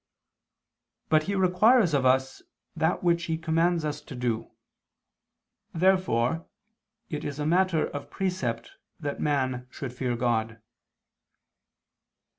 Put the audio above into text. But He requires of us that which He commands us to do. Therefore it is a matter of precept that man should fear God.